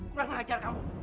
kurang ngajar kamu